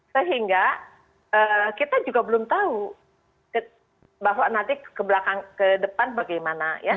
sehingga kita juga belum tahu bahwa nanti ke depan bagaimana ya